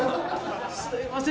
「すみません。